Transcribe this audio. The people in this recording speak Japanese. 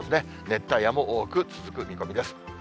熱帯夜も多く続く見込みです。